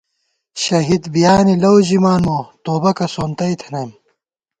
شہید بِیانےلَؤ ژِمان مو، توبَکہ سونتَئ تھنَئیم